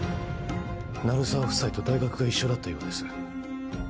鳴沢夫妻と大学が一緒だったようです